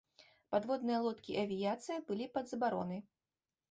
Падводныя лодкі і авіяцыя былі пад забаронай.